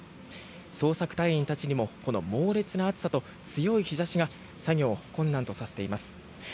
捜索隊員たちにもこの暑さと強い日差しが作業を困難にしています。